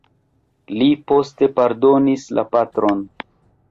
Li poste pardonis la patron.